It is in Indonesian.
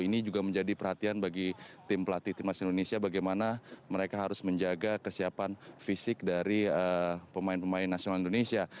ini juga menjadi perhatian bagi tim pelatih timnas indonesia bagaimana mereka harus menjaga kesiapan fisik dari pemain pemain nasional indonesia